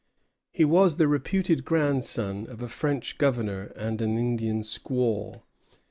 He was the reputed grandson of a French governor and an Indian squaw.